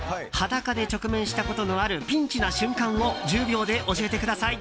裸で直面したことのあるピンチな瞬間を１０秒で教えてください。